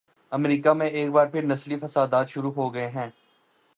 امریکہ میں ایک بار پھر نسلی فسادات شروع ہوگئے ہیں۔